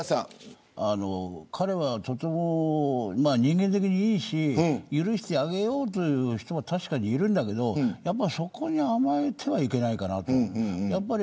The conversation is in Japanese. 彼は、とても人間的にいいし許してあげようという人も確かにいるんだけどそこに甘えてはいけないかな。